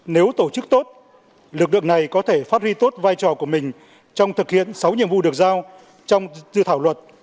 nếu tổ chức tốt lực lượng này có thể phát huy tốt vai trò của mình trong thực hiện sáu nhiệm vụ được giao trong dự thảo luật